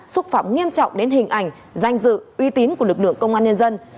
xúc phạm nghiêm trọng đến hình ảnh danh dự uy tín của lực lượng công an nhân dân